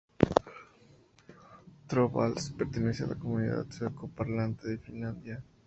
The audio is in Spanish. Torvalds pertenece a la comunidad sueco-parlante de Finlandia.